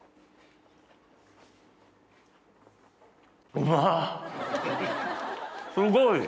うますごい。